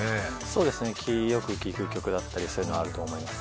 そうですね、よく聴いてる曲だったりそういうのがあると思います。